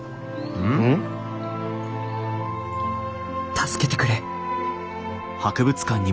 「助けてくれ」。